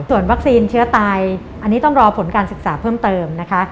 ส่วนวัคซีนเชื้อตายอันนี้ต้องรอผลการศึกษาเพิ่มเติมนะคะ